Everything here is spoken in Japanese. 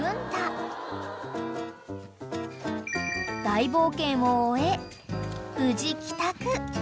［大冒険を終え無事帰宅］